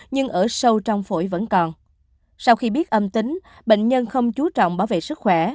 nhưng ở sâu trong phổi vẫn còn sau khi biết âm tính bệnh nhân không chú trọng bảo vệ sức khỏe